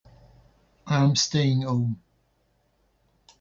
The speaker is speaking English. I'm staying home.